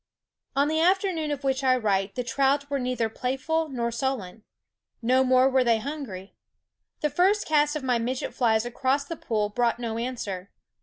On the afternoon of which I write the trout were neither playful nor sullen. No more were they hungry. The first cast of my midget flies across the pool brought no answer.